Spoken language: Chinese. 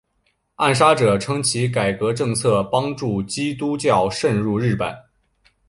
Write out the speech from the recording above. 暗杀者称其改革政策帮助基督教渗入日本。